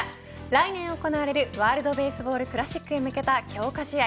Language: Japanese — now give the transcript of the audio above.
来年行われるワールドベースボールクラシックへ向けた強化試合